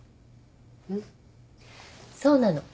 うんそうなの。